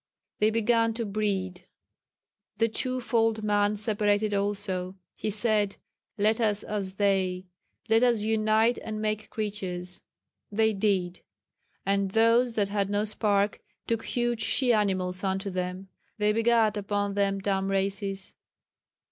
They began to breed. The two fold man separated also. He said, 'Let us as they; let us unite and make creatures.' They did. "And those that had no spark took huge she animals unto them. They begat upon them dumb races.